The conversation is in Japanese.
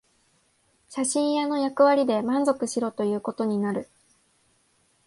写真屋の役割で満足しろということになる